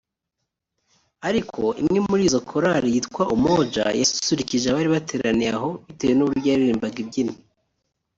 Ariko imwe muri izo Korali yitwa “Umoja” yasusurukije abari bateraniye aho bitewe n’uburyo yaririmbaga ibyina